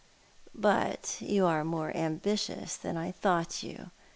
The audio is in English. But you are more ambitious tban I thought you.